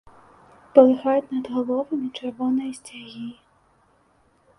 Палыхаюць над галовамі чырвоныя сцягі.